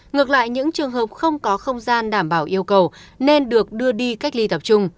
ngược lại những trường hợp không có không gian đảm bảo yêu cầu nên được đưa đi cách ly tập trung